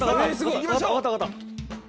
行きましょう。